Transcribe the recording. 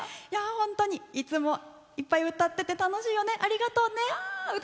本当にいつもいっぱい歌ってて楽しいよね。